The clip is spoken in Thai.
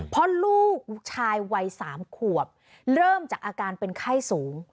เพราะลูกชายวัย๓ขวบเริ่มจากอาการเป็นไข้สูง